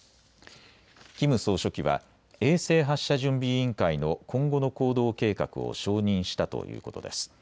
キム総書記は衛星発射準備委員会の今後の行動計画を承認したということです。